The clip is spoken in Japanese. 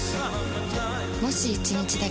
もし１日だけ